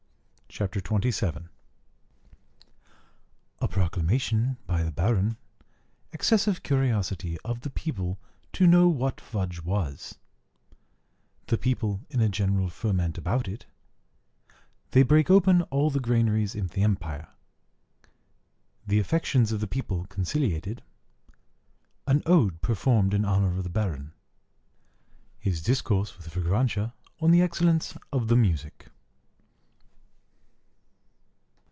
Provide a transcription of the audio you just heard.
CHAPTER XXVII _A proclamation by the Baron Excessive curiosity of the people to know what fudge was The people in a general ferment about it They break open all the granaries in the empire The affections of the people conciliated An ode performed in honour of the Baron His discourse with Fragrantia on the excellence of the music.